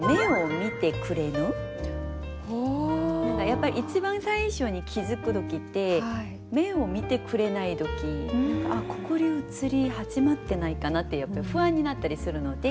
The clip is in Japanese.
やっぱり一番最初に気付く時って目を見てくれない時心移り始まってないかなって不安になったりするので。